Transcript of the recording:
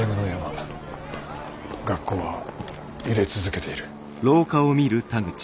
学校は揺れ続けている。